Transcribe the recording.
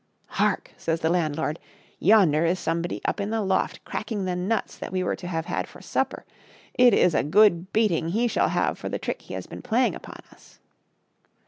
" Hark! says the landlord ; "yonder is somebody up in the loft crack ing the nuts that we were to have had for supper; it is a good beating he shall have for the trick he has been playing upon us.